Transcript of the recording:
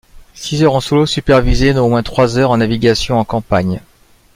Six heures en solo supervisé dont au moins trois heures en navigation en campagne.